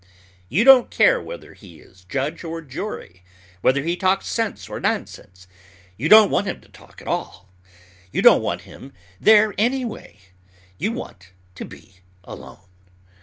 You don't care whether he is judge or jury, whether he talks sense or nonsense; you don't want him to talk at all. You don't want him there anyway. You want to be alone.